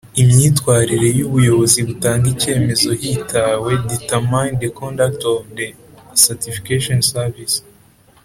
imyitwarire y ubuyobozi butanga icyemezo hitawe determine the conduct of the certification service